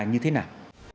như thế nào